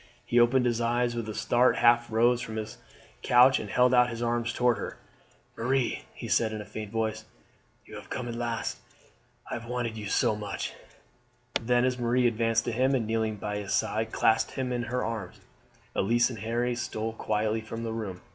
He opened his eyes with a start, half rose from his couch and held out his arms towards her. "Marie," he said in a faint voice, "you have come at last. I have wanted you so much." Then, as Marie advanced to him, and kneeling by his side, clasped him in her arms, Elise and Harry stole quietly from the room.